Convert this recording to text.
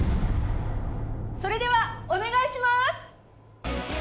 それではお願いします！